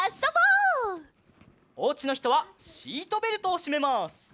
おうちのひとはシートベルトをしめます。